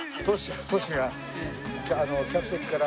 トシが客席から。